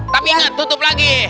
tapi inget tutup lagi